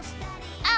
あ！